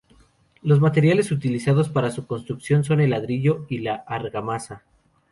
Los materiales utilizados para su construcción son el ladrillo y la argamasa.